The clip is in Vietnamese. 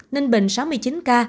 ninh bình sáu mươi chín ca